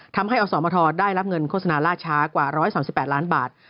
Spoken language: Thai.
ทำให้อสมทรได้รับเงินโฆษณาล่าช้ากว่า๑๓๘ล้านบาท